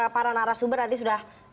para narasumber nanti sudah